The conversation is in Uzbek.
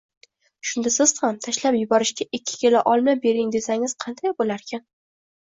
Shunda siz ham: “Tashlab yuborishga ikki kilo olma bering”, desangiz, qanday bo‘larkin?..